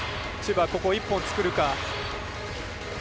千葉、ここ１本作るか。